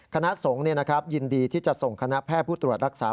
คณะสงฆ์ยินดีที่จะส่งคณะแพทย์ผู้ตรวจรักษา